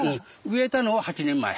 植えたのは８年前。